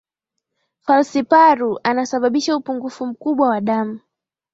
falciparu anasababisha upungufu mkubwa wa damu